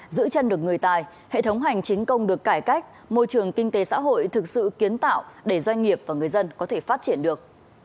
giữ chân được người tài hệ thống hành chính công được cải cách môi trường kinh tế xã hội thực sự kiến tạo để doanh nghiệp và người dân có thể phát triển được